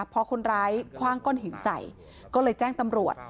พอคนร้ายคว่างก้อนหินใส่ก็เลยแจ้งตำรวจ